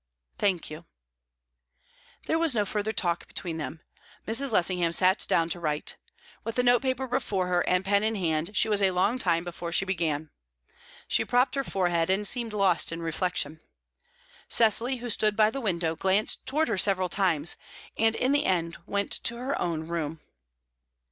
"Thank you." There was no further talk between them. Mrs. Lessingham sat down to write. With the note paper before her, and the pen in hand, she was a long time before she began; she propped her forehead, and seemed lost in reflection. Cecily, who stood by the window, glanced towards her several times, and in the end went to her own room.